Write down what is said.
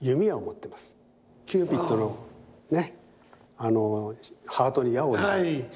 キューピッドのね。